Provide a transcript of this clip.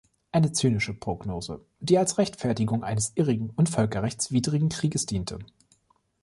Eine zynische Prognose, die als Rechtfertigung eines irrigen und völkerrechtswidrigen Krieges diente.